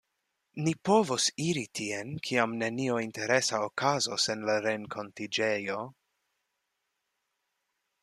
Ni povos iri tien kiam nenio interesa okazos en la renkontiĝejo.